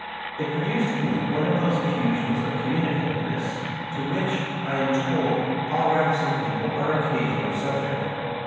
It produced in me one of those eflEusions of communicativeness to which, I am told, all reticent people are occasionally sub ject.